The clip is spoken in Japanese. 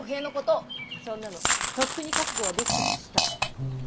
そんなのとっくに覚悟はできてました。